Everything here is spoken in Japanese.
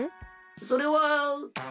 それは。